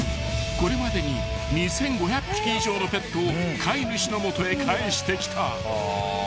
これまでに２，５００匹以上のペットを飼い主の元へ帰してきた］